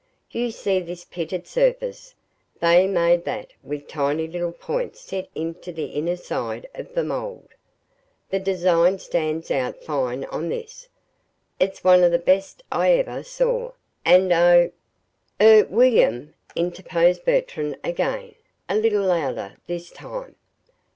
You see this pitted surface they made that with tiny little points set into the inner side of the mold. The design stands out fine on this. It's one of the best I ever saw. And, oh " "Er William," interposed Bertram again, a little louder this time.